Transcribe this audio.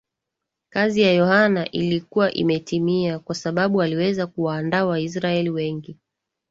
kazi ya Yohane ilikuwa imetimia kwa sababu aliweza kuwaandaa Waisraeli wengi